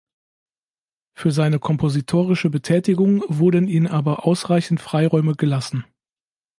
Für seine kompositorische Betätigung wurden ihm aber ausreichend Freiräume gelassen.